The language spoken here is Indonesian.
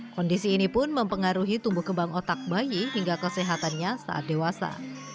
kondisi ini pun mempengaruhi tumbuh kembang otak bayi hingga kesehatannya saat dewasa